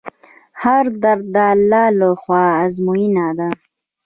هر درد د الله له خوا ازموینه ده.